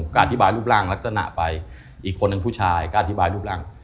ก็อธิบายรูปร่างลักษณะไปอีกคนหนึ่งผู้ชายก็อธิบายรูปร่าง